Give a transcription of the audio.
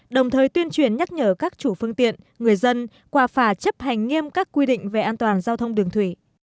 đồng thời tuyên truyền nhắc nhở các chủ phương tiện người dân qua phà chấp hành nghiêm các quy định về an toàn giao thông đường thủy